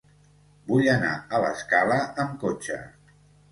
Vull anar a l'Escala amb cotxe.